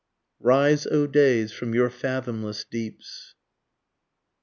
RISE O DAYS FROM YOUR FATHOMLESS DEEPS.